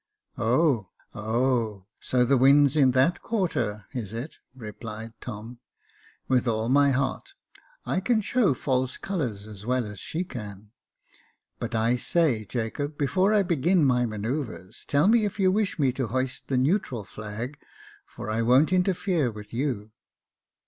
Oh, oh ! so the wind's in that quarter, is it ?" replied J.F. p 2 26 Jacob Faithful Tom. " With all my heart — I can show false colours as well as she can. But I say, Jacob, before I begin my manoeuvres, tell me if you wish me to hoist the neutral flag — for I won't interfere with you."